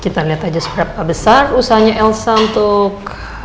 kita lihat aja seberapa besar usahanya elsa untuk